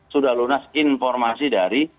sudah lunas informasi dari